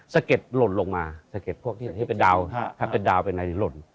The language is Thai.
สะเก็ดหล่นลงมาสะเก็ดพวกที่เป็นดาวถ้าเป็นดาวเป็นอะไรหล่น